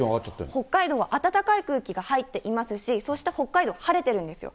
北海道は暖かい空気が入っていますし、そして北海道晴れているんですよ。